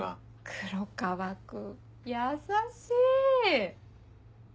黒川君優しい！